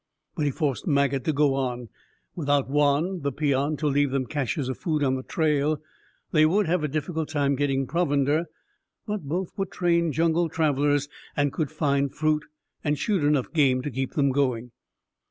But he forced Maget to go on. Without Juan, the peon, to leave them caches of food on the trail, they would have a difficult time getting provender, but both were trained jungle travelers and could find fruit and shoot enough game to keep them going.